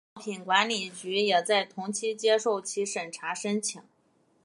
欧洲药品管理局也在同期接受其审查申请。